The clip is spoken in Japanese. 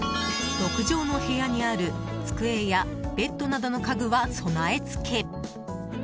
６畳の部屋にある机やベッドなどの家具は備え付け。